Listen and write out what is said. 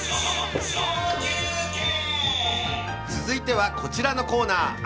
続いてはこちらのコーナー